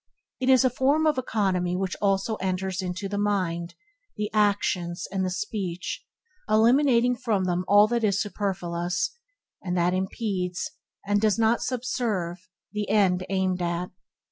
It is a form of economy which also enters into the mind, the actions, and the speech, eliminating from them all that is superfluous, and that impedes, and does not sub serve, the end aimed at.